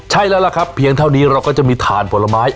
ใช่แล้วล่ะครับเพียงเท่านี้เราก็จะมีถ่านผลไม้